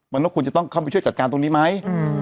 มันต้องควรจะต้องเข้าไปช่วยจัดการตรงนี้ไหม